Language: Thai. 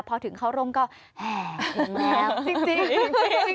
พอถึงเข้าร่มก็แห่งเทียมแล้ว